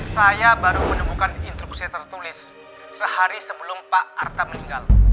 saya baru menemukan instruksi tertulis sehari sebelum pak arta meninggal